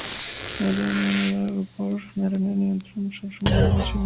এডেন-মোনারোর উপর ন্যারনের নিয়ন্ত্রণ সবসময় দুর্বল ছিল।